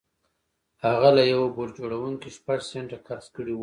هغه له یوه بوټ جوړوونکي شپږ سنټه قرض کړي وو